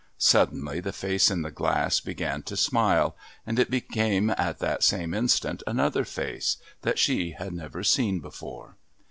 Suddenly the face in the glass began to smile and it became at that same instant another face that she had never seen before.